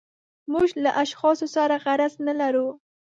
موږ له اشخاصو سره غرض نه لرو.